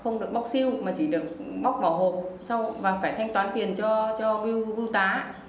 không được bóc siêu mà chỉ được bóc vào hộp và phải thanh toán tiền cho vưu tá